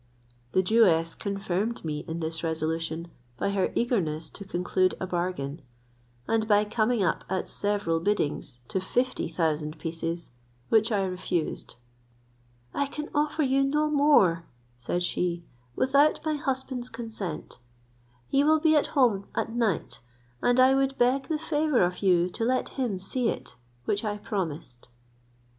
The Jewess confirmed me in this resolution, by her eagerness to conclude a bargain; and by coming up at several biddings to fifty thousand pieces, which I refused. "I can offer you no more," said she, "without my husband's consent. He will be at home at night; and I would beg the favour of you to let him see it, which I promised."